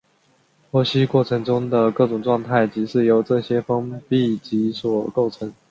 剖析过程中的各种状态即是由这些封闭集所构成。